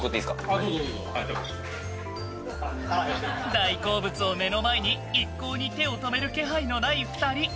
大好物を目の前に一向に手を止める気配のない２人。